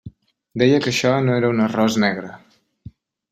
Deia que això no era un arròs negre.